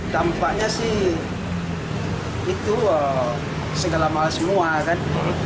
tampaknya sih itu segala mahal semua kan